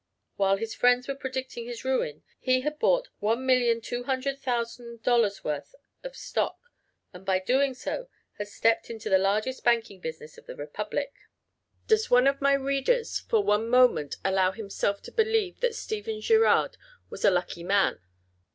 While his friends were predicting his ruin he had bought $1,200,000 worth of stock and, by so doing, had stepped into the largest banking business of the Republic. Does one of my readers for one moment allow himself to believe that Stephen Girard was a lucky man?